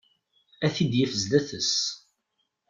A t-id-yaf sdat-s.